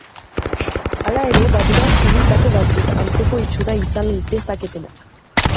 Hala ere, badira silikato batzuk antzeko itxura izan dezaketenak.